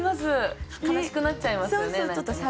悲しくなっちゃいますよね何かね。